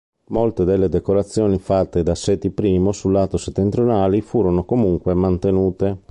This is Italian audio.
Molte delle decorazioni fatte da Seti I sul lato settentrionale furono comunque mantenute.